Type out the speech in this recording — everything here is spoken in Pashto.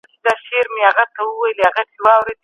هغوی د خپلو هڅو په برکت بریالي شول.